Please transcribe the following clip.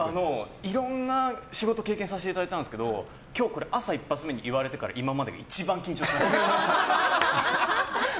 いろんな仕事を経験させていただいたんですけど今日これ朝一発目に言われてから一番緊張しました。